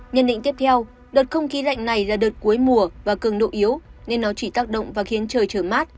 nhân định tiếp theo đợt không khí lạnh này là đợt cuối mùa và cường độ yếu nên nó chỉ tác động và khiến trời trở mát